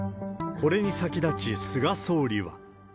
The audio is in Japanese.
これに先立ち菅総理は。